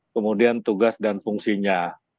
kemudian tugas dan fungsinya